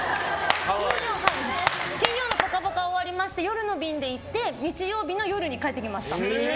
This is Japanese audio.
金曜の「ぽかぽか」終わりまして夜の便で行って日曜日の夜に帰ってきました。